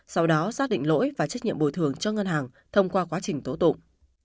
sau đó xác định lỗi và trách nhiệm bồi thường cho ngân hàng thông qua quá trình tố tụng